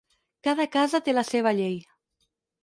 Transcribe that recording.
Cada casa té la seva llei.